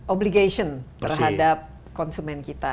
obligation terhadap konsumen kita